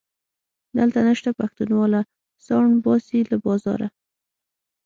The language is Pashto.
دلته نسته پښتونواله - ساوڼ باسي له بازاره